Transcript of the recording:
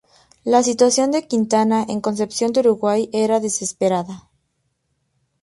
La situación de Quintana en Concepción del Uruguay era desesperada.